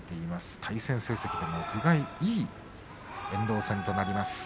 対戦成績でも分がいい遠藤戦となります。